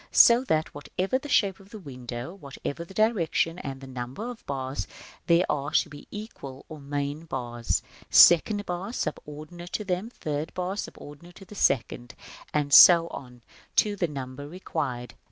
So that, whatever the shape of the window, whatever the direction and number of the bars, there are to be central or main bars; second bars subordinated to them; third bars subordinated to the second, and so on to the number required.